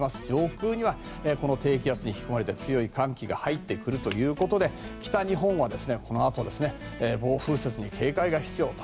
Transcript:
上空にはこの低気圧に引き込まれて強い寒気が入ってくるということで北日本はこのあと暴風雪に警戒が必要。